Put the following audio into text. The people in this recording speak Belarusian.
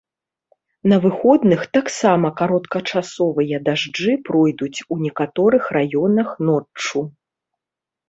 На выходных таксама кароткачасовыя дажджы пройдуць у некаторых раёнах ноччу.